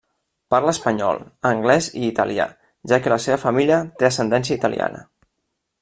Parla espanyol, anglès i italià, ja que la seva família té ascendència italiana.